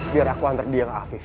biar aku antar dia ke afif